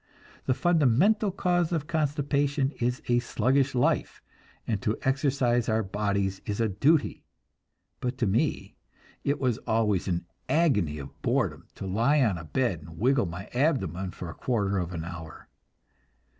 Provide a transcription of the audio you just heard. The fundamental cause of constipation is a sluggish life, and to exercise our bodies is a duty; but to me it was always an agony of boredom to lie on a bed and wiggle my abdomen for a quarter of an hour.